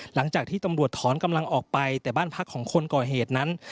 หลังจากที่ตำรวจถอนกำลังออกไปแต่บ้านพักของคนก่อเหตุนั้น